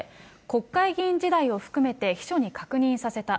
国会議員時代を含めて、秘書に確認させた。